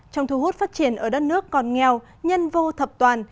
trong thu hút phát triển ở đất nước còn nghèo nhân vô thập toàn